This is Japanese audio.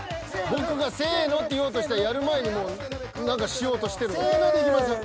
［僕がせのって言おうとしたらやる前にもう何かしようとしてる］せのでいきますよ。